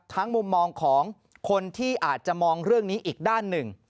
มุมมองของคนที่อาจจะมองเรื่องนี้อีกด้านหนึ่ง